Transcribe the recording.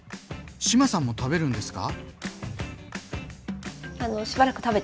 志麻さんも食べるんですか？